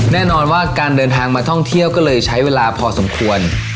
แน่นอนว่าการเดินทางมาท่องเที่ยวก็เลยใช้เวลาพอสมควร